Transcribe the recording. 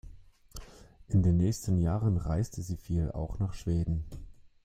In den nächsten Jahren reiste sie viel, auch nach Schweden.